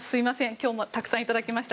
今日もたくさんいただきました。